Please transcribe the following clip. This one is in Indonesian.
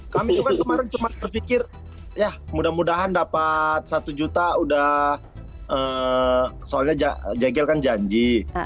kami itu kan kemarin cuma berpikir ya mudah mudahan dapat satu juta udah soalnya jengkel kan janji